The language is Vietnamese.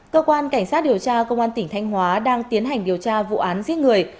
cơ quan cảnh sát điều tra công an tỉnh thanh hóa đang tiến hành điều tra vụ án giết người